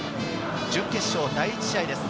準決勝第１試合です。